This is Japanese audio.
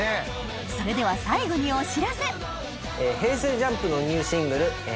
それでは最後にお知らせ